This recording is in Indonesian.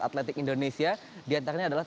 atletik indonesia diantaranya adalah